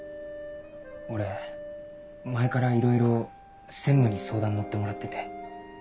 俺前からいろいろ専務に相談乗ってもらってて。